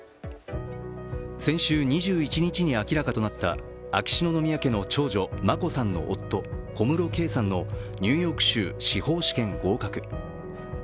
先週２１日に明らかとなった秋篠宮家の長女、眞子さんの夫、小室圭さんのニューヨーク州司法試験合格。